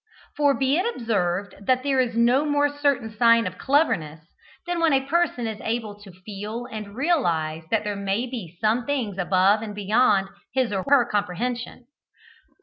For be it observed that there is no more certain sign of cleverness than when a person is able to feel and realise that there may be some things above and beyond his or her comprehension.